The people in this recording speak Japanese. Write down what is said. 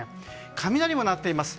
雷も鳴っています。